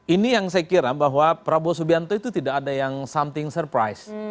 ini yang saya kira bahwa prabowo subianto itu tidak ada yang something surprise